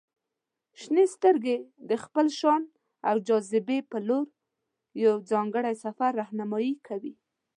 • شنې سترګې د خپل شان او جاذبې په لور یو ځانګړی سفر رهنمائي کوي.